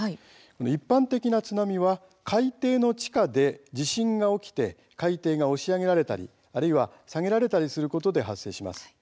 一般的な津波というのは海底の地下で地震が起きて海底が押し上げられたりあるいは下げられたりすることで発生します。